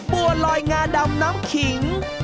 บัวลอยงาดำน้ำขิง